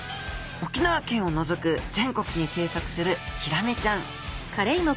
沖縄県を除く全国に生息するヒラメちゃん。